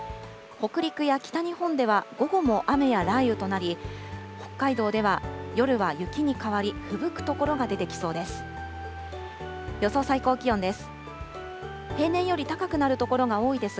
北陸や北日本では、午後も雨や雷雨となり、北海道では夜は雪に代わり、ふぶく所が出てきそうです。